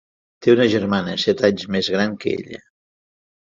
Té una germana, set anys més gran que ella.